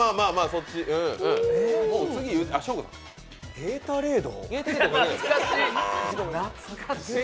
ゲータレード？